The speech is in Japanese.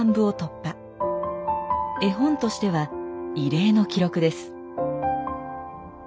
絵本としては異例の記録です。